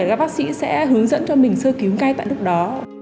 các bác sĩ sẽ hướng dẫn cho mình sơ cứu ngay tại lúc đó